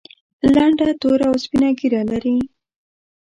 لنډه توره او سپینه ږیره لري.